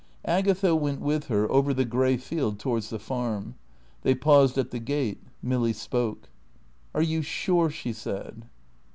Agatha went with her over the grey field towards the Farm. They paused at the gate. Milly spoke. "Are you sure?" she said.